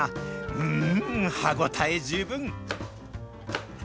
うーん、歯応え十分。